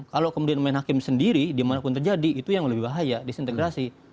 kalau kemudian memainkan hakim sendiri di mana pun terjadi itu yang lebih bahaya disintegrasi